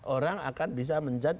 orang akan bisa menjad